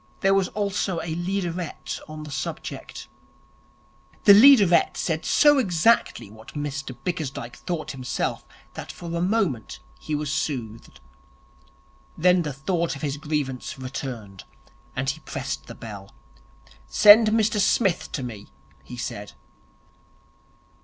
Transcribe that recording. There was also a leaderette on the subject. The leaderette said so exactly what Mr Bickersdyke thought himself that for a moment he was soothed. Then the thought of his grievance returned, and he pressed the bell. 'Send Mr Smith to me,' he said.